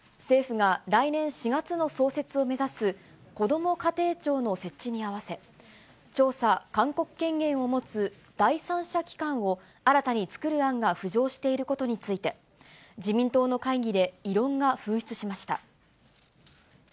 政府が来年４月の創設を目指す、こども家庭庁の設置に合わせ、調査・勧告権限を持つ第三者機関を、新たに作る案が浮上していることについて、自民党の会議で異論が噴出しました。